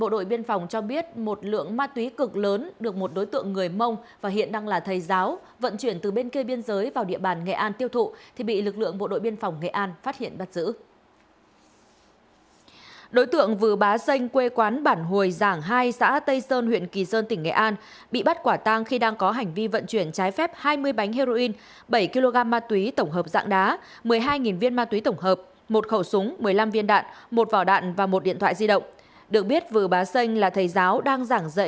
được biết vừa bá xanh là thầy giáo đang giảng dạy tại trường học xã tây sơn huyện kỳ sơn